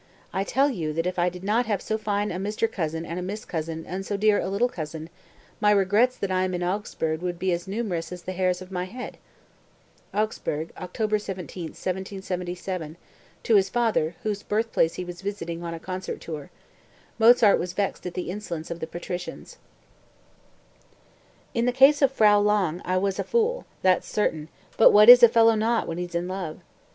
I tell you that if I did not have so fine a Mr. Cousin and Miss Cousin and so dear a little cousin, my regrets that I am in Augsburg would be as numerous as the hairs of my head." (Augsburg, October 17, 1777, to his father, whose birthplace he was visiting on a concert tour. Mozart was vexed at the insolence of the patricians.) 191. "In the case of Frau Lange I was a fool, that's certain; but what is a fellow not when he's in love?